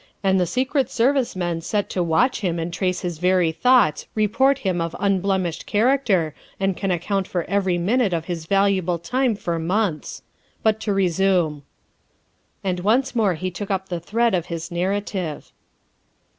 And the Secret Service men set to watch him and trace his very thoughts report him of unblemished character and can account for every minute of his valuable time for months. But to resume." And he once more took up the thread of his narrative.